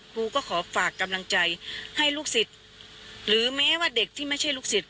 ครูก็ขอฝากกำลังใจให้ลูกศิษย์หรือแม้ว่าเด็กที่ไม่ใช่ลูกศิษย